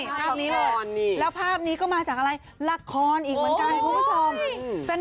ภาพนี้เลยแล้วภาพนี้ก็มาจากอะไรละครอีกเหมือนกันคุณผู้ชม